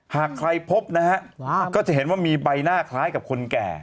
หากใครพบนะฮะก็จะเห็นว่ามีใบหน้าคล้ายกับคนแก่